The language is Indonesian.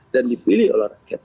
dan dipilih oleh rakyat